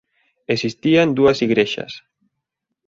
Existían dúas igrexas.